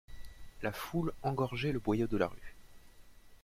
La foule engorgeait le boyau de la rue.